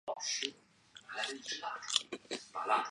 该医院转隶中央军委后勤保障部。